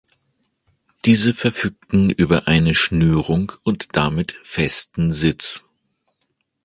Diese verfügten über eine Schnürung und damit festen Sitz.